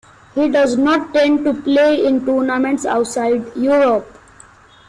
He does not tend to play in tournaments outside Europe.